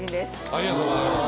ありがとうございます。